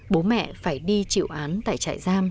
bố mẹ phải đi chịu án tại trại giam